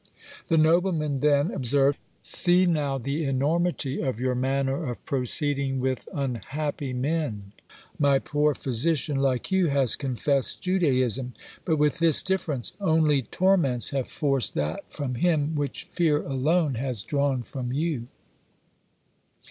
The nobleman then observed, "See now the enormity of your manner of proceeding with unhappy men! My poor physician, like you, has confessed Judaism; but with this difference, only torments have forced that from him which fear alone has drawn from you!"